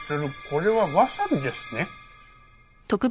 これはわさびですね。